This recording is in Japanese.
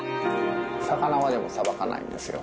魚はでも、さばかないんですよ。